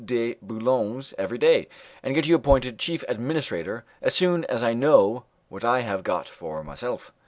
de Boulogne's every day, and get you appointed chief administrator as soon as I know what I have got for myself."